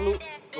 gue gak mau